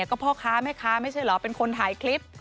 ก็พ่อค้าแม่ค้าไม่ใช่เหรอเป็นคนถ่ายคลิป